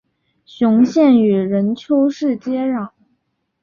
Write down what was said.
雄县与任丘市接壤。